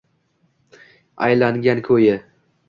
aylangan koʼyi